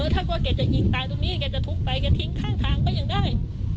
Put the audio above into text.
ถ้ากลัวแกจะยิงตายตรงนี้แกจะทุบไปแกทิ้งข้างทางก็ยังได้